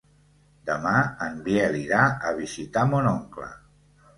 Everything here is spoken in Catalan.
Demà en Biel irà a visitar mon oncle.